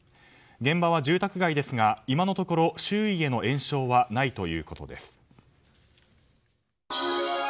現場は住宅街ですが今のところ周囲への延焼はないということです。